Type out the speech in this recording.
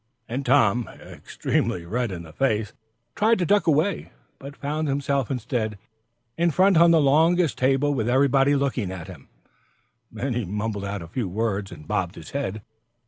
And Tom, extremely red in the face, tried to duck away, but found himself instead in front of the longest table, with everybody looking at him. And he mumbled out a few words and bobbed his head.